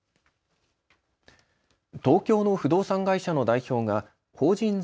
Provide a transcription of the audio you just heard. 東京の不動産会社の代表が法人税